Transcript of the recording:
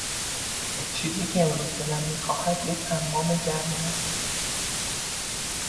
چیزی که امروز دلم میخواهد یک حمام گرم است.